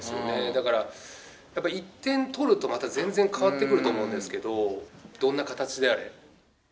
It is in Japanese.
だから、やっぱ１点取ると、また全然変わってくると思うんですけど、どんな形であれ。